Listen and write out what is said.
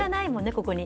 ここに。